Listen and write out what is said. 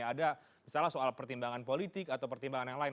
ada misalnya soal pertimbangan politik atau pertimbangan yang lain